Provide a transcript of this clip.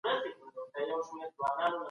څېړنو د اوښکو ټولنیز رول ښودلی.